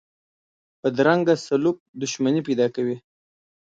بدرنګه سلوک دښمني پیدا کوي